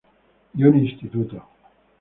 Y un instituto.